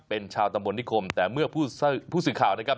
เป็นชาวตำบลนิคมแต่เมื่อผู้สื่อข่าวนะครับ